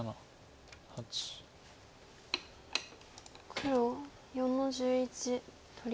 黒４の十一取り。